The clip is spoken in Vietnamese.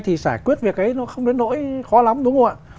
thì giải quyết việc ấy nó không đến nỗi khó lắm đúng không ạ